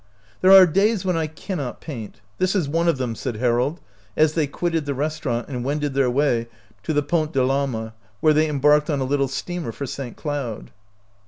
"There are days when I cannot paint; this is one of them," said Harold, as they quitted the restaurant and wended their way to the Pont de PAlma, where they embarked on a little steamer for St. Cloud.